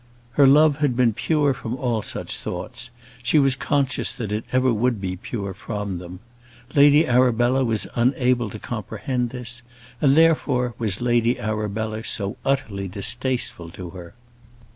Her love had been pure from all such thoughts; she was conscious that it ever would be pure from them. Lady Arabella was unable to comprehend this, and, therefore, was Lady Arabella so utterly distasteful to her.